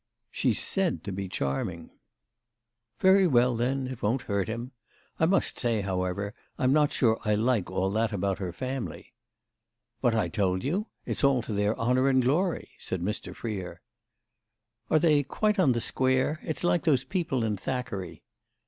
"She's said to be charming." "Very well then, it won't hurt him. I must say, however, I'm not sure I like all that about her family." "What I told you? It's all to their honour and glory," said Mr. Freer. "Are they quite on the square? It's like those people in Thackeray."